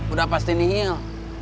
udah pasti nihil